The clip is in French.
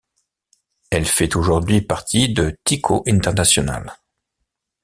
Elle fait aujourd'hui partie de Tyco International.